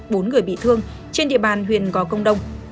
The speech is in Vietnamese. bốn người bị thương trên địa bàn huyện gò công đông